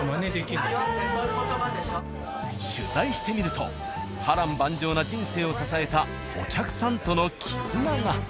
取材してみると波瀾万丈な人生を支えたお客さんとの絆が。